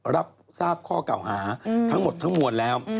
รับทราบข้อเก่าหาทั้งหมดทั้งมวลแล้ว